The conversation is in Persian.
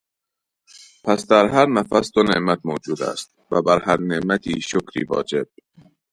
پس در هر نفس دو نعمت موجود است و بر هر نعمتی شکری واجب